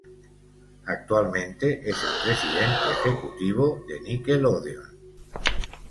Actualmente es El Presidente Ejecutivo de Nickelodeon.